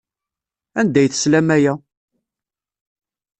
Anda ay teslam aya?